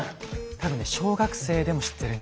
多分ね小学生でも知ってる。